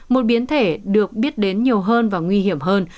một biến thể được biết đến nhiều hơn và nguy hiểm hơn